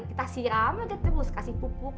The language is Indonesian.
kita siram aja terus kasih pupuk